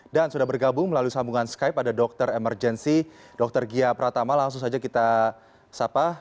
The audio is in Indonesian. dan sudah bergabung melalui sambungan skype ada dr emergenci dr gia pratama langsung saja kita sapa